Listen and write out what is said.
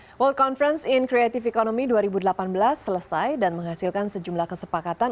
hai world conference in creative economy dua ribu delapan belas selesai dan menghasilkan sejumlah kesepakatan